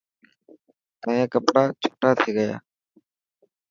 تايان ڪپڙا ڇوٽا ٿي گيا.